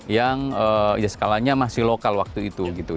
yang skalanya masih lokal waktu itu